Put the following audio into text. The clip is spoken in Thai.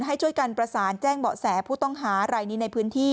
ให้ช่วยกันประสานแจ้งเบาะแสผู้ต้องหารายนี้ในพื้นที่